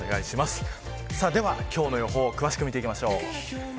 今日の予報を詳しく見ていきましょう。